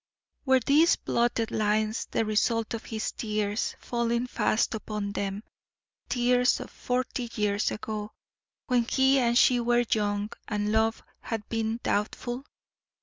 Were these blotted lines the result of his tears falling fast upon them, tears of forty years ago, when he and she were young and love had been doubtful?